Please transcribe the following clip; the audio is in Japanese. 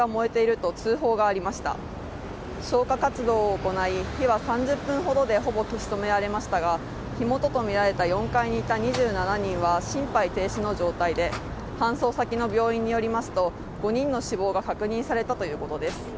消火活動を行い消火活動を行い、火は３０分ほどでほぼ消し止められましたが、火元とみられた４階にいた人は心肺停止の状態で搬送先の病院によりますと、５人の死亡が確認されたということです。